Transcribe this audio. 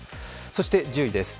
そして１０位です。